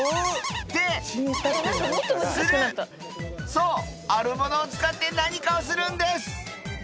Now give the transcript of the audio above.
そうあるものを使って何かをするんです